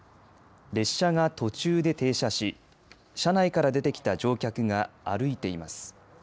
列車が途中で停車し車内から出てきた乗客が歩いています。